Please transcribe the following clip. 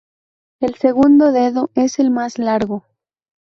El segundo dedo es el más largo.